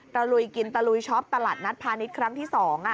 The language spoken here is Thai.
ลุยกินตะลุยช็อปตลาดนัดพาณิชย์ครั้งที่๒